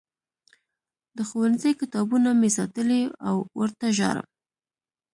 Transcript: د ښوونځي کتابونه مې ساتلي او ورته ژاړم